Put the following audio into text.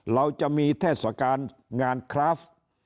เราจะมีท่าสการงานคราฟต์